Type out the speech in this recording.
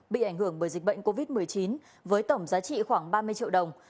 bị ảnh hưởng bởi dịch bệnh covid một mươi chín với tổng giá trị khoảng ba mươi triệu đồng